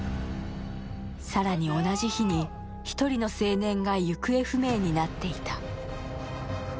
更に同じ日に１人の青年が行方不明になっていた。